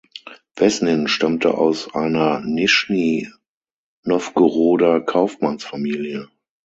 Wesnin stammte aus einer Nischni Nowgoroder Kaufmannsfamilie.